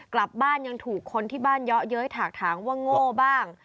กลับบ้านยังถูกคนที่บ้านเยอะเย้ยถากถางว่าโง่บ้าง